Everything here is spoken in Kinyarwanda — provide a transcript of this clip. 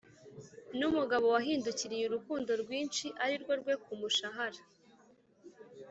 numugabo wahindukiriye urukundo rwinshi arirwo rwe kumushahara.